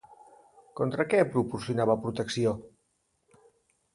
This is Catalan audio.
Contra què proporcionava protecció?